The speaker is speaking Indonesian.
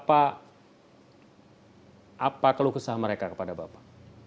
apa keluh kesah mereka kepada bapak